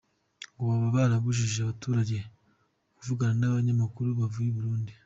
Ngo baba barabujije abaturage kuvugana n’abanyamakuru bavuye i Burundi.